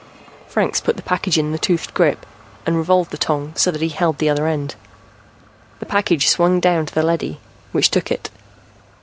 Franks put the package in the toothed grip and revolved the tong so that he held the other end. The package swung down to the leady, which took it.